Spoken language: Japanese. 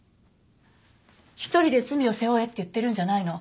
一人で罪を背負えって言ってるんじゃないの。